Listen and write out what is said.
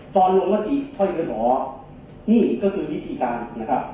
ตอนลงวัตถีถ่อยเงินหอนี่ก็คือวิธีการนะครับ